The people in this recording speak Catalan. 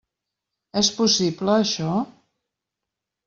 És possible, això?